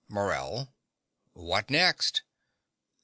MORELL. What next?